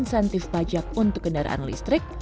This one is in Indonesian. insentif pajak untuk kendaraan listrik